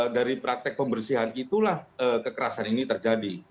dari praktek pembersihan itulah kekerasan ini terjadi